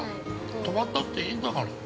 止まったっていいんだから。